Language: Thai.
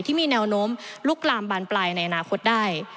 ที่มีแนวโน้มลุกลามบานปลายในอนาคตได้